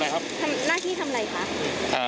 ทำหน้าที่ทำอะไรคะ